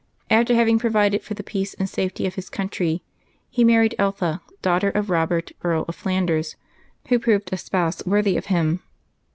After having provided for the peace and safety of his country, he married Eltha, daugh ter of Eobert, Earl of Flanders, who proved a spouse worthy of him.